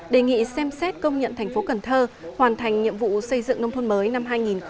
đề nghị xem xét công nhận thành phố cần thơ hoàn thành nhiệm vụ xây dựng nông thôn mới năm hai nghìn một mươi chín